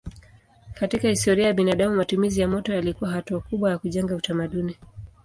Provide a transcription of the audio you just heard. Katika historia ya binadamu matumizi ya moto yalikuwa hatua kubwa ya kujenga utamaduni.